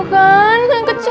udah lo tenang aja